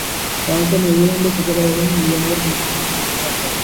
কারণ, এটা মেরুদণ্ডে খোঁচা দেয় এবং নিতম্বের গুরুত্বপূর্ণ স্নায়ুতে চাপ দেয়।